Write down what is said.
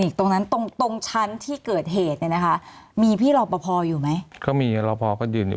มีความรู้สึกว่ามีความรู้สึกว่ามีความรู้สึกว่ามีความรู้สึกว่า